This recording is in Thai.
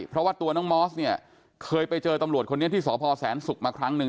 เพราะว่าตัวน้องมอสเนี่ยเคยไปเจอตำรวจคนนี้ที่สพแสนศุกร์มาครั้งหนึ่ง